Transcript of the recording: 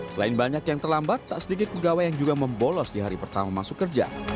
selain banyak yang terlambat tak sedikit pegawai yang juga membolos di hari pertama masuk kerja